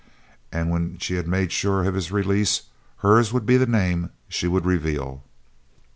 And when she had made sure of his release, hers would be the name she would reveal.